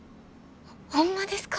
ホンマですか？